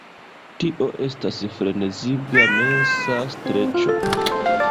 Tio estas freneziga mensa streĉo.